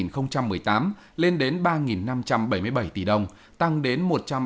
từ năm hai nghìn một mươi tám lên đến ba năm trăm bảy mươi bảy tỷ đồng tăng đến một trăm ba mươi ba một mươi tám